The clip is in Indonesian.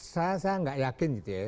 saya nggak yakin gitu ya